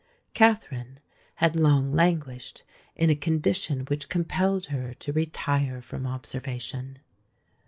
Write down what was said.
Katherine had long languished in a condition which compelled her to retire from observation.